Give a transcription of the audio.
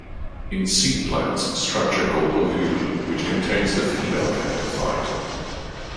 In seed plants, a structure called ovule, which contains the female gametophyte.